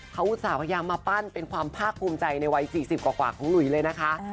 เขาอุตส่าห์พยายามมาปั้นเป็นความภาคภูมิใจในวัย๔๐กว่าของหลุยเลยนะคะ